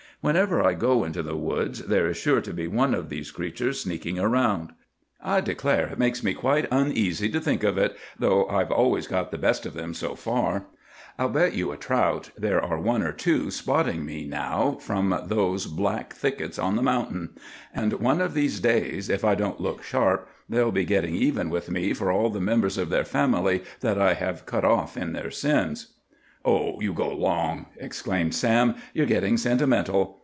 Whenever I go into the woods there is sure to be one of these creatures sneaking around. I declare it makes me quite uneasy to think of it, though I've always got the best of them so far. I'll bet you a trout there are one or two spotting me now from those black thickets on the mountain; and one of these days, if I don't look sharp, they'll be getting even with me for all the members of their family that I have cut off in their sins." "Oh, you go along!" exclaimed Sam. "You're getting sentimental.